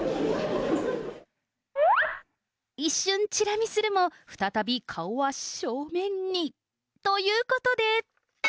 一瞬、チラ見するも、再び顔は正面に。ということで。